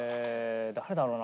誰だろうな？